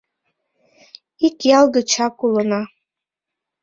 Ик ял гычак улына.